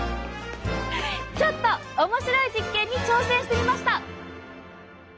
ちょっと面白い実験に挑戦してみました！